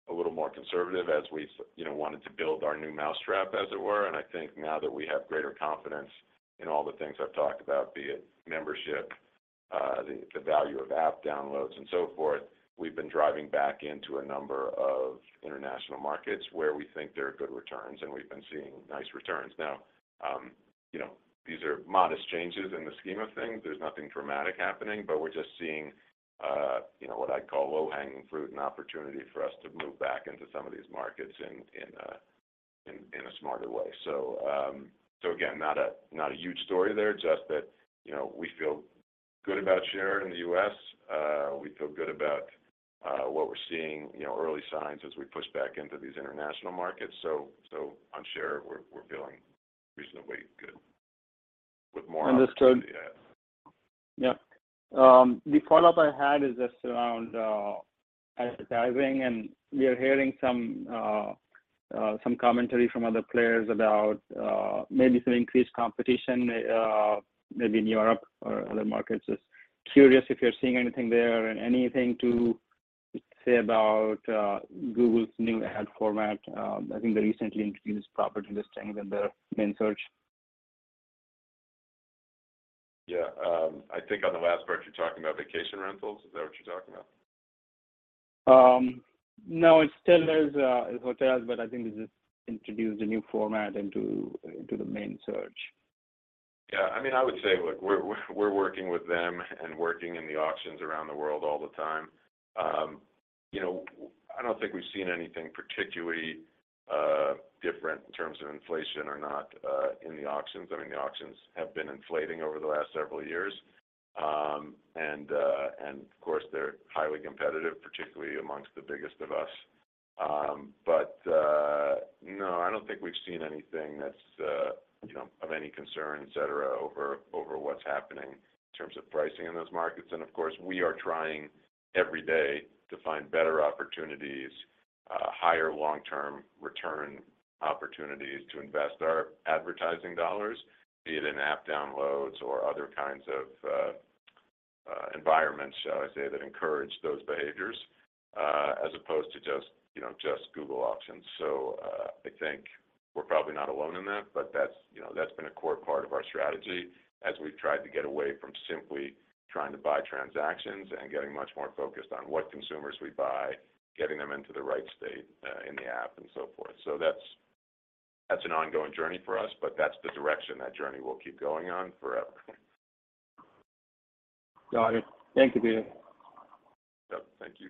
a little more conservative as we you know, wanted to build our new mousetrap, as it were. I think now that we have greater confidence in all the things I've talked about, be it membership, the value of app downloads, and so forth, we've been driving back into a number of international markets where we think there are good returns, and we've been seeing nice returns. Now, you know, these are modest changes in the scheme of things. There's nothing dramatic happening, we're just seeing, you know, what I'd call low-hanging fruit, an opportunity for us to move back into some of these markets in, in, in a smarter way. Again, not a, not a huge story there, just that, you know, we feel good about share in the U.S. We feel good about what we're seeing, you know, early signs as we push back into these international markets. On share, we're, we're feeling reasonably good with more- Understood. Yeah. Yeah. The follow-up I had is just around advertising, and we are hearing some commentary from other players about maybe some increased competition maybe in Europe or other markets. Just curious if you're seeing anything there and anything to say about Google's new ad format. I think they recently introduced property listing in their main search. Yeah. I think on the last part, you're talking about vacation rentals. Is that what you're talking about? No, it still is, hotels, but I think they just introduced a new format into, into the main search. Yeah. I mean, I would say, look, we're, we're working with them and working in the auctions around the world all the time. You know, I don't think we've seen anything particularly different in terms of inflation or not in the auctions. I mean, the auctions have been inflating over the last several years. And of course, they're highly competitive, particularly amongst the biggest of us. But no, I don't think we've seen anything that's, you know, of any concern, et cetera, over, over what's happening in terms of pricing in those markets. Of course, we are trying every day to find better opportunities. Higher long-term return opportunities to invest our advertising dollars, be it in app downloads or other kinds of environments, shall I say, that encourage those behaviors, as opposed to just, you know, just Google auctions. I think we're probably not alone in that, but that's, you know, that's been a core part of our strategy as we've tried to get away from simply trying to buy transactions and getting much more focused on what consumers we buy, getting them into the right state, in the app and so forth. That's, that's an ongoing journey for us, but that's the direction. That journey will keep going on forever. Got it. Thank you, Peter. Yep, thank you.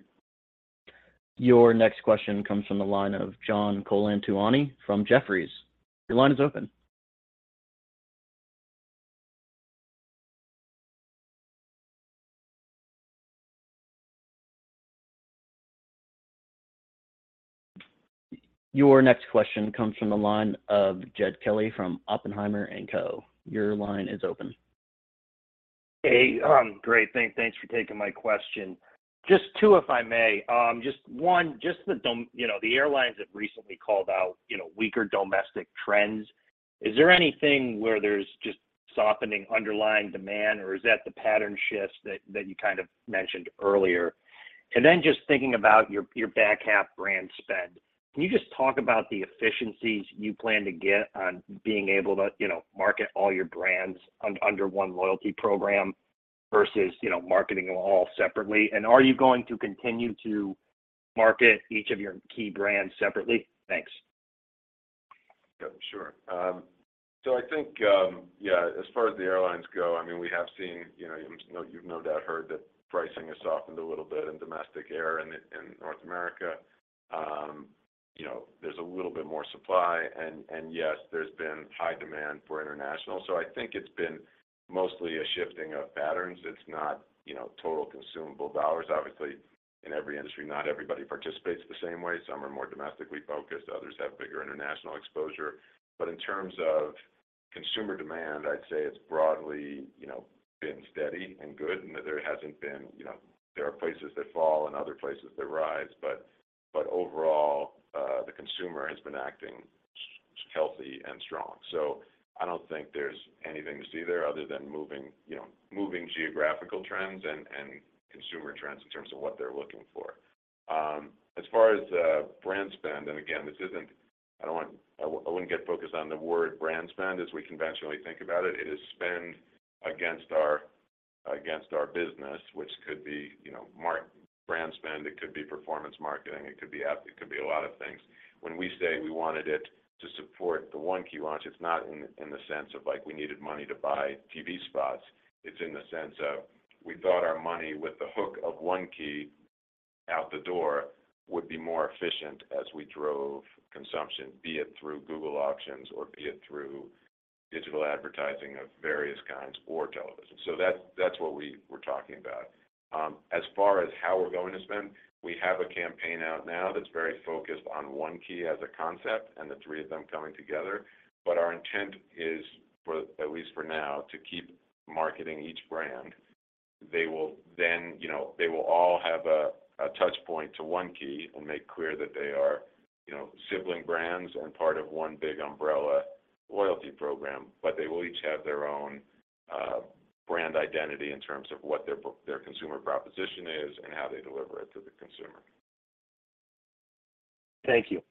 Your next question comes from the line of John Colantuoni from Jefferies. Your line is open. Your next question comes from the line of Jed Kelly from Oppenheimer & Co. Your line is open. Hey, great. Thanks for taking my question. Just two, if I may. Just one, you know, the airlines have recently called out, you know, weaker domestic trends. Is there anything where there's just softening underlying demand, or is that the pattern shift that, that you kind of mentioned earlier? And then just thinking about your back half brand spend. Can you just talk about the efficiencies you plan to get on being able to, you know, market all your brands under one loyalty program versus, you know, marketing them all separately? And are you going to continue to market each of your key brands separately? Thanks. Yeah, sure. So I think, yeah, as far as the airlines go, I mean, we have seen, you know, you've no doubt heard that pricing has softened a little bit in domestic air in, in North America. You know, there's a little bit more supply, and, and yes, there's been high demand for international. I think it's been mostly a shifting of patterns. It's not, you know, total consumable dollars. Obviously, in every industry, not everybody participates the same way. Some are more domestically focused, others have bigger international exposure. In terms of consumer demand, I'd say it's broadly, you know, been steady and good, and that there hasn't been, you know, there are places that fall and other places that rise, but overall, the consumer has been acting healthy and strong. I don't think there's anything to see there other than moving, you know, moving geographical trends and, and consumer trends in terms of what they're looking for. As far as brand spend, and again, this isn't, I wouldn't get focused on the word brand spend as we conventionally think about it. It is spend against our, against our business, which could be, you know, brand spend, it could be performance marketing, it could be app, it could be a lot of things. When we say we wanted it to support the One Key launch, it's not in, in the sense of like, we needed money to buy TV spots. It's in the sense of we thought our money with the hook of One Key out the door would be more efficient as we drove consumption, be it through Google auctions or be it through digital advertising of various kinds or television. That's, that's what we were talking about. As far as how we're going to spend, we have a campaign out now that's very focused on One Key as a concept and the three of them coming together. Our intent is, for at least for now, to keep marketing each brand. They will then, you know, they will all have a, a touch point to One Key and make clear that they are, you know, sibling brands and part of One Key umbrella loyalty program, but they will each have their own, brand identity in terms of what their consumer proposition is and how they deliver it to the consumer. Thank you.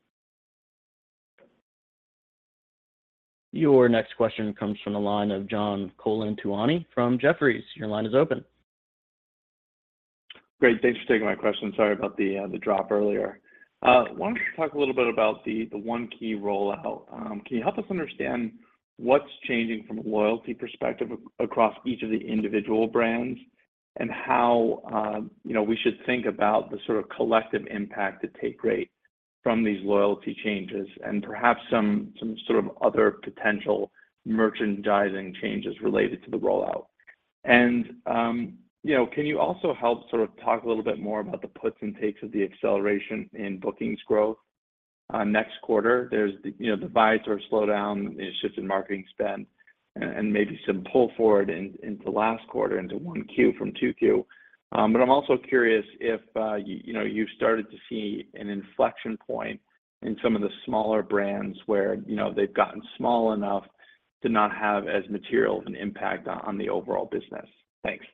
Your next question comes from the line of John Colantuoni from Jefferies. Your line is open. Great. Thanks for taking my question. Sorry about the drop earlier. Why don't you talk a little bit about the One Key rollout? Can you help us understand what's changing from a loyalty perspective across each of the individual brands? How, you know, we should think about the sort of collective impact that take rate from these loyalty changes and perhaps some, some sort of other potential merchandising changes related to the rollout. You know, can you also help sort of talk a little bit more about the puts and takes of the acceleration in bookings growth next quarter? There's, you know, the buy or slow down the shift in marketing spend and, and maybe some pull forward in, in the last quarter into 1Q from 2Q. I'm also curious if, you know, you've started to see an inflection point in some of the smaller brands where, you know, they've gotten small enough to not have as material of an impact on the overall business. Thanks.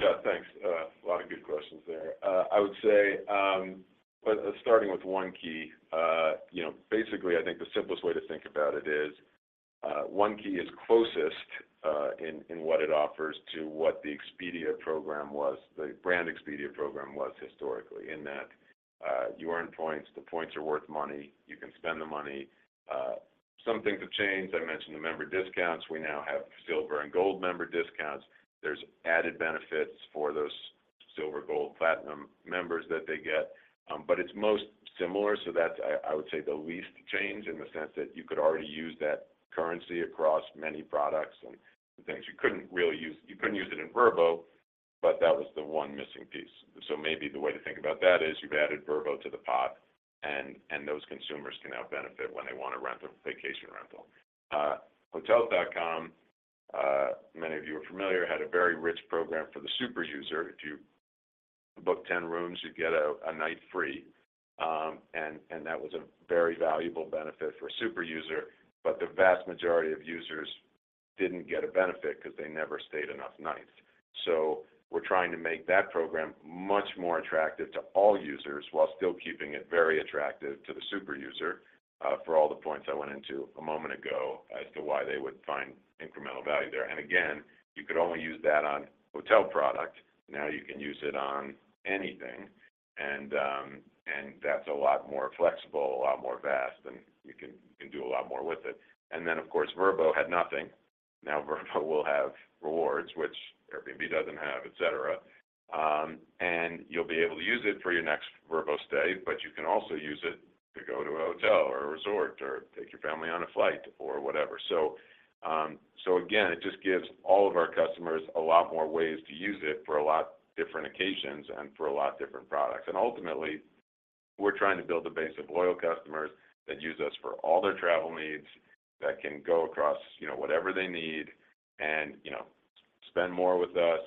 Yeah, thanks. A lot of good questions there. I would say, starting with One Key, you know, basically, I think the simplest way to think about it is, One Key is closest in what it offers to what the Expedia program was, the brand Expedia program was historically, in that, you earn points, the points are worth money, you can spend the money. Some things have changed. I mentioned the member discounts. We now have Silver and Gold member discounts. There's added benefits for those Silver, Gold, Platinum members that they get. But it's most similar, so that's, I, I would say, the least change in the sense that you could already use that currency across many products and things. You couldn't use it in Vrbo, but that was the one missing piece. Maybe the way to think about that is you've added Vrbo to the pot, and, and those consumers can now benefit when they want to rent a vacation rental. Hotels.com, many of you are familiar, had a very rich program for the super user. If you book 10 rooms, you get a, a night free. That was a very valuable benefit for a super user, but the vast majority of users didn't get a benefit because they never stayed enough nights. We're trying to make that program much more attractive to all users while still keeping it very attractive to the super user, for all the points I went into a moment ago as to why they would find incremental value there. Again, you could only use that on hotel product. Now you can use it on anything, that's a lot more flexible, a lot more vast, and you can, you can do a lot more with it. Then, of course, Vrbo had nothing. Now Vrbo will have rewards, which Airbnb doesn't have, et cetera. You'll be able to use it for your next Vrbo stay, but you can also use it to go to a hotel or a resort or take your family on a flight or whatever. Again, it just gives all of our customers a lot more ways to use it for a lot different occasions and for a lot different products. Ultimately, we're trying to build a base of loyal customers that use us for all their travel needs, that can go across, you know, whatever they need and, you know, spend more with us,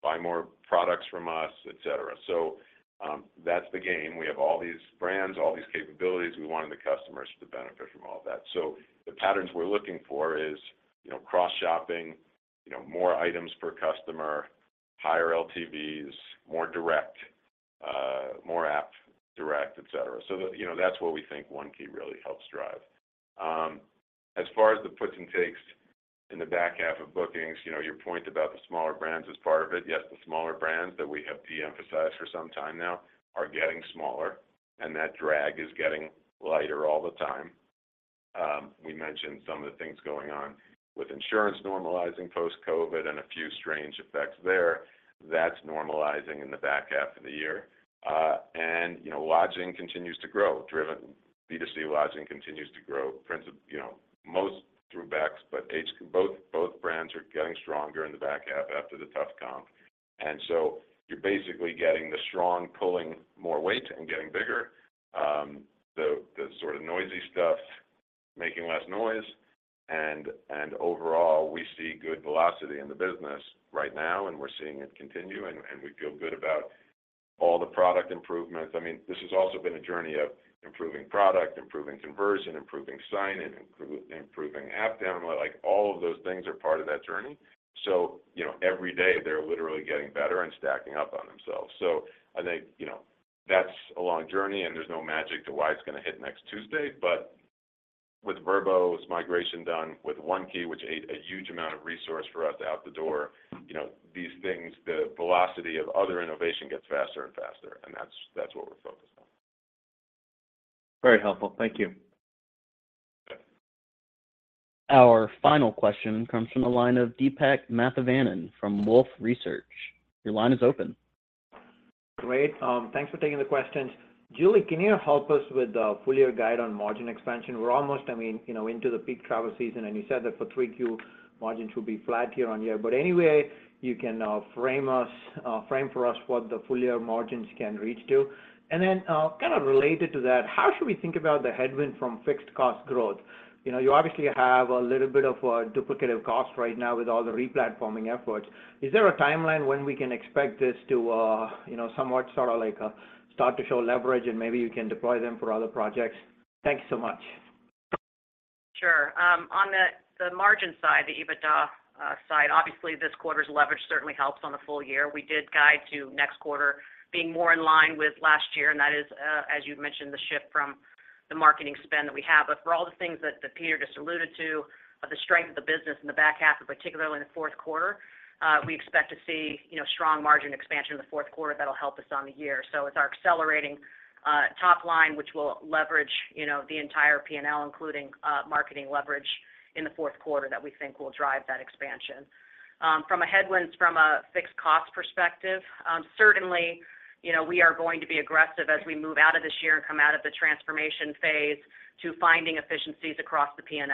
buy more products from us, et cetera. That's the game. We have all these brands, all these capabilities, we want the customers to benefit from all of that. The patterns we're looking for is, you know, cross-shopping, you know, more items per customer, higher LTVs, more direct, more app direct, et cetera. That's what we think One Key really helps drive. As far as the puts and takes in the back half of bookings, you know, your point about the smaller brands is part of it. Yes, the smaller brands that we have de-emphasized for some time now are getting smaller, and that drag is getting lighter all the time. We mentioned some of the things going on with insurance normalizing post-COVID and a few strange effects there. That's normalizing in the back half of the year. You know, lodging continues to grow, B2C lodging continues to grow, you know, most through Bex, but both, both brands are getting stronger in the back half after the tough comp. So you're basically getting the strong pulling more weight and getting bigger. The, the sort of noisy stuff making less noise, and, and overall, we see good velocity in the business right now, and we're seeing it continue, and, and we feel good about all the product improvements. I mean, this has also been a journey of improving product, improving conversion, improving sign-in, improving app download. Like, all of those things are part of that journey. You know, every day, they're literally getting better and stacking up on themselves. I think, you know, that's a long journey, and there's no magic to why it's going to hit next Tuesday. With Vrbo's migration done, with One Key, which ate a huge amount of resource for us out the door, you know, these things, the velocity of other innovation gets faster and faster, and that's, that's what we're focused on. Very helpful. Thank you. Okay. Our final question comes from the line of Deepak Mathivanan from Wolfe Research. Your line is open. Great. Thanks for taking the questions. Julie, can you help us with the full year guide on margin expansion? We're almost, I mean, you know, into the peak travel season, and you said that for 3Q, margins will be flat year-on-year. Any way you can frame us, frame for us what the full year margins can reach to? Then, kind of related to that, how should we think about the headwind from fixed cost growth? You know, you obviously have a little bit of a duplicative cost right now with all the replatforming efforts. Is there a timeline when we can expect this to, you know, somewhat sort of like, start to show leverage, and maybe you can deploy them for other projects? Thank you so much. Sure. on the, the margin side, the EBITDA side, obviously, this quarter's leverage certainly helps on the full year. We did guide to next quarter being more in line with last year, and that is, as you mentioned, the shift from the marketing spend that we have. For all the things that, that Peter just alluded to, of the strength of the business in the back half, and particularly in the fourth quarter, we expect to see, you know, strong margin expansion in the fourth quarter that'll help us on the year. It's our accelerating top line, which will leverage, you know, the entire P&L, including, marketing leverage in the fourth quarter, that we think will drive that expansion. From a headwinds from a fixed cost perspective, certainly, you know, we are going to be aggressive as we move out of this year and come out of the transformation phase to finding efficiencies across the P&L.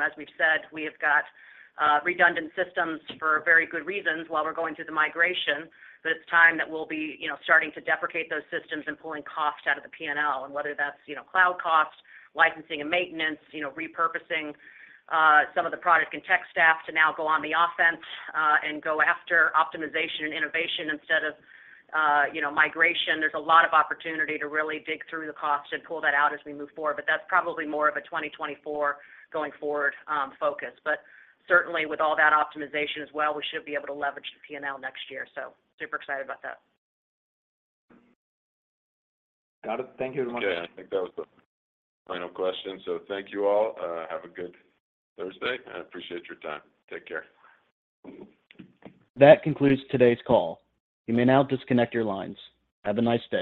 As we've said, we have got redundant systems for very good reasons while we're going through the migration. It's time that we'll be, you know, starting to deprecate those systems and pulling costs out of the P&L. Whether that's, you know, cloud costs, licensing and maintenance, you know, repurposing some of the product and tech staff to now go on the offense and go after optimization and innovation instead of, you know, migration. There's a lot of opportunity to really dig through the cost and pull that out as we move forward, but that's probably more of a 2024 going forward focus. Certainly, with all that optimization as well, we should be able to leverage the P&L next year. Super excited about that. Got it. Thank you very much. Okay, I think that was the final question. Thank you all. Have a good Thursday, and I appreciate your time. Take care. That concludes today's call. You may now disconnect your lines. Have a nice day.